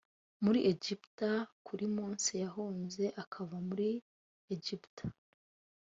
muri egiputa kuki mose yahunze akava muri egiputa